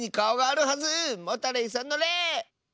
モタレイさんの「レ」！